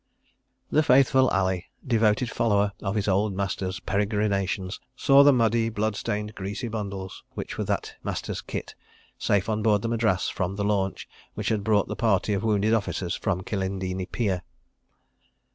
§4 The faithful Ali, devoted follower of his old master's peregrinations, saw the muddy, blood stained greasy bundles, which were that master's kit, safe on board the Madras from the launch which had brought the party of wounded officers from the Kilindini pier.